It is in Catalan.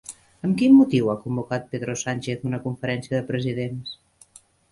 Amb quin motiu ha convocat Pedro Sánchez una conferència de presidents?